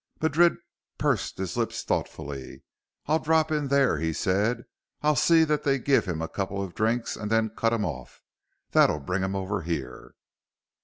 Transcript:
Madrid pursed his lips thoughtfully. "I'll drop in there," he said. "I'll see that they give him a couple of drinks and then cut him off. That'll bring him over here."